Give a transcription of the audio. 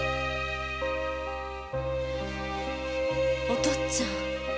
お父っつぁん！